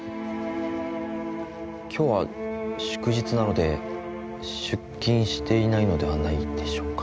今日は祝日なので出勤していないのではないでしょうか。